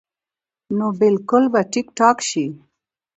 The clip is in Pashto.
نو بالکل به ټيک ټاک شي -